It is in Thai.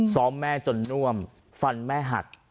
แม่จนน่วมฟันแม่หัก